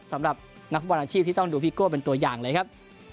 สำหรับนักฟุตบอลอาชีพที่ต้องดูพี่โก้เป็นตัวอย่างเลยครับ